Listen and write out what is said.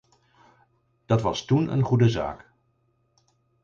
Dat was toen een goede zaak.